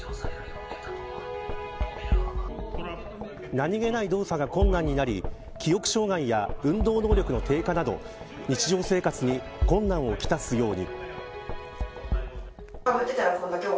何気ない動作が困難になり記憶障害や運動能力の低下など日常生活に困難をきたすように。